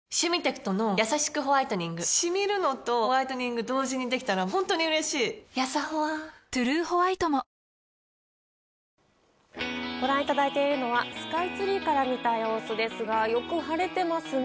シミるのとホワイトニング同時にできたら本当に嬉しいやさホワ「トゥルーホワイト」もご覧いただいているのはスカイツリーから見た様子ですが、よく晴れてますね。